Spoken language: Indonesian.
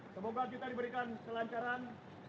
semoga kita diberikan kelancaran